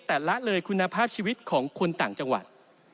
แต่ละเลยคุณภาพชีวิตของคนต่างจังหวัด